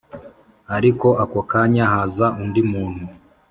ariko ako kanya haza undi muntu